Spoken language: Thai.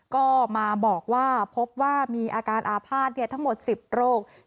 ก็มาบอกว่าพบว่ามีอาการอาภาษณ์ทั้งหมด๑๐โรค